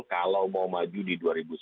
kalau mau maju di